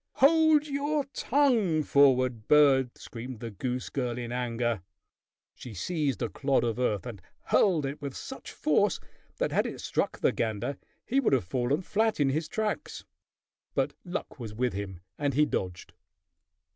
"Hold your tongue, forward bird!" screamed the goose girl in anger. She seized a clod of earth and hurled it with such force that had it struck the gander, he would have fallen flat in his tracks; but luck was with him, and he dodged.